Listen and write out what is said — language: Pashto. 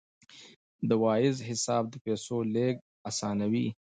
د وایز حساب د پیسو لیږد اسانوي.